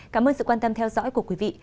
cảm ơn sự quan tâm theo dõi của quý vị